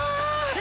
え？